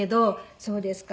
「そうですか。